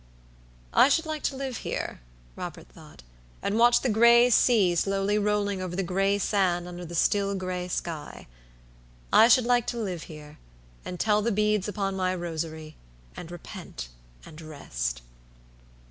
"I should like to live here," Robert thought, "and watch the gray sea slowly rolling over the gray sand under the still, gray sky. I should like to live here, and tell the beads upon my rosary, and repent and rest."